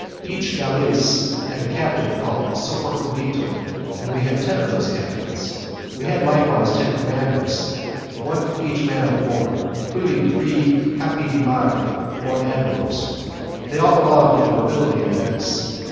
Each galeass had a captain called 'sopracomito', and we had ten of those captains; we had likewise ten commanders, one for each man of war, including three 'capi di mare', or admirals. They all belonged to the nobility of Venice.